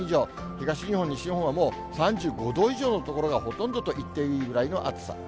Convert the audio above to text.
東日本、西日本は、もう３５度以上の所がほとんどといっていいぐらいの暑さ。